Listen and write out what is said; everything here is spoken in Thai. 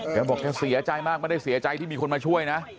บอกแกเสียใจมากไม่ได้เสียใจที่มีคนมาช่วยนะ